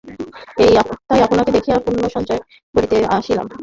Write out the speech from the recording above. তাই আপনাকে দেখিয়া পুণ্যসঞ্চয় করিতে আসিলাম।